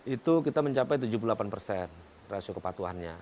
itu kita mencapai tujuh puluh delapan persen rasio kepatuhannya